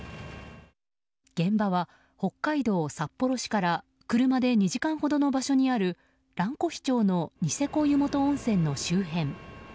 現場は、北海道札幌市から車で２時間ほどの場所にある蘭越町のニセコ湯本温泉の周辺。